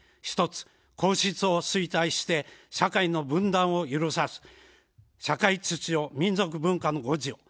１つ、皇室を推戴して社会の分断を許さず社会秩序、民族文化の護持を。